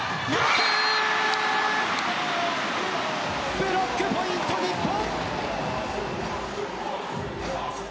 ブロックポイント、日本。